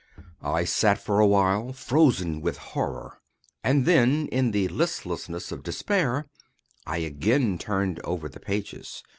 I sat for awhile, frozen with horror; and then, in the listlessness of despair, I again turned over the pages.